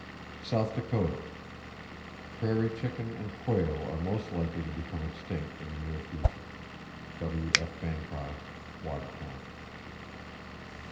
South Dakota: Prairie chicken and quail are most likely to become extinct in the near future.—(W.F. Bancroft, Watertown.)